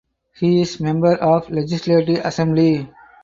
He is member of legislative assembly.